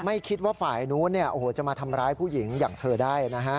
ไม่คิดว่าฝ่ายนู้นจะมาทำร้ายผู้หญิงอย่างเธอได้นะฮะ